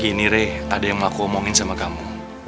gini re tadi emang aku omongin sama kamu